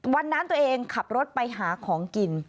วันนั้นตัวเองขับรถไปหาของกิน